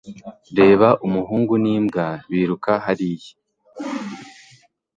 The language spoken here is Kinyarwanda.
Reba umuhungu n'imbwa biruka hariya